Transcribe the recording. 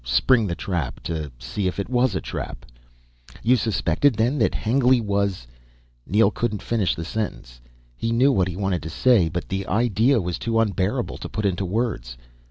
Spring the trap to see if it was a trap." "You suspected then that Hengly was " Neel couldn't finish the sentence. He knew what he wanted to say, but the idea was too unbearable to put into words.